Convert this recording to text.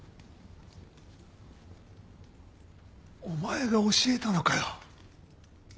お前が教えたのかよ。